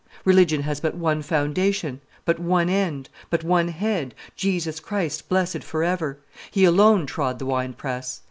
... Religion has but one foundation, but one end, but one head, Jesus Christ blessed forever; he alone trod the wine press.